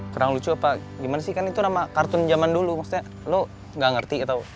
kurang lucu apa gimana sih kan itu nama kartun zaman dulu maksudnya lo gak ngerti atau